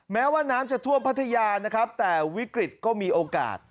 แม้ว่าน้ำจะท่วมพัทยานะครับแต่วิกฤตก็มีโอกาส